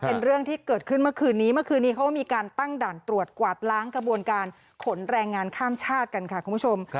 เป็นเรื่องที่เกิดขึ้นเมื่อคืนนี้เมื่อคืนนี้เขาก็มีการตั้งด่านตรวจกวาดล้างกระบวนการขนแรงงานข้ามชาติกันค่ะคุณผู้ชม